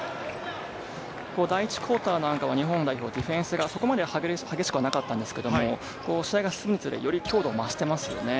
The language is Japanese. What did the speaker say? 第１クオーターは日本代表、ディフェンスがそこまで激しくはなかったんですけど、試合が進むにつれて強度を増していますね。